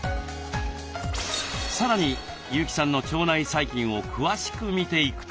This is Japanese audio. さらに優木さんの腸内細菌を詳しく見ていくと。